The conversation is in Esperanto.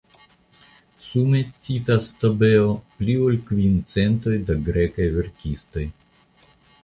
Sume citas Stobeo pli ol kvin centoj da grekaj verkistoj.